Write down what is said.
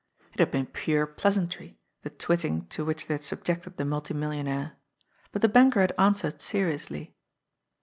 It had been pure pleasantry, the twitting to which they had subjected the multimillionaire. But the banker had answered seriously.